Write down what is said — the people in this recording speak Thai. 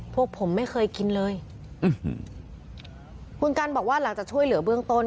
พวกผมไม่เคยกินเลยคุณกันบอกว่าหลังจากช่วยเหลือเบื้องต้น